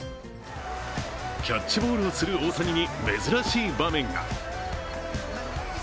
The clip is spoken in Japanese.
キャッチボールをする大谷に珍しい場面が。